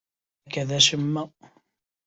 Akka d acemma.